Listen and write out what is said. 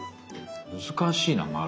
難しいな丸は。